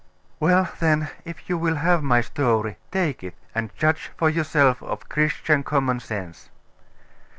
'Well, then, if you will have my story, take it, and judge for yourself of Christian common sense.